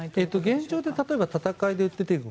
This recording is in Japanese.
現状で例えば戦いで出ている。